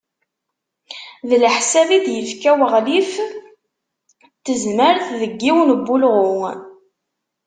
D leḥsab i d-yefka uɣlif n tezmert, deg yiwen n wulɣu.